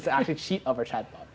untuk mencoba menggoda chatbot